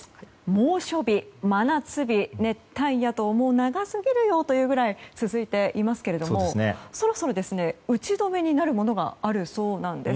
猛暑日、真夏日、熱帯夜と長すぎるよ！というぐらい続いていますがそろそろ、打ち止めになるものがあるそうなんです。